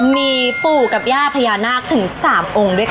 มีปู่กับย่าพญานาคถึง๓องค์ด้วยกัน